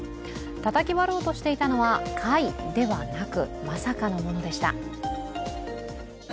たたき割ろうとしていたのは貝ではなく、まさかのものでした。